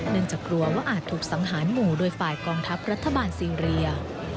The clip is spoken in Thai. เนื่องจากกลัวว่าอาจถูกสังหารหมู่โดยฝ่ายกองทัพรัฐบาลซีเรีย